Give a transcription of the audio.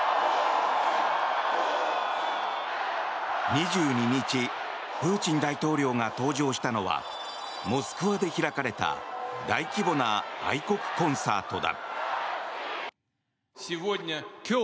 ２２日、プーチン大統領が登場したのはモスクワで開かれた大規模な愛国コンサートだ。